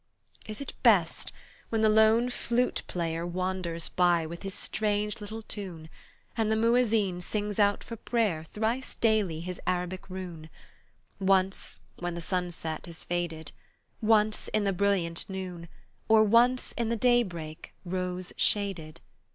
Is it best, when the lone flute player Wanders by with his strange little tune And the muezzin sings out for prayer Thrice daily his Arabic rune: Once, when the sunset has faded, Once in the brilliant noon, Or once in the daybreak, rose shaded.